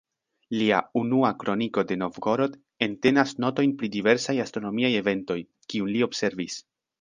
Lia "Unua kroniko de Novgorod" entenas notojn pri diversaj astronomiaj eventoj, kiun li observis.